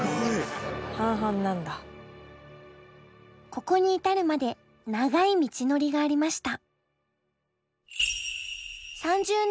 ここに至るまで長い道のりがありました。